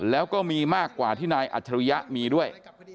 แล้วก็มีมากกว่าที่นายอัจฉริยะมีด้วย